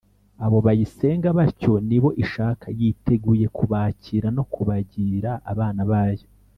. Abo bayisenga batyo ni bo ishaka. Yiteguye kubakira, no kubagira abana bayo.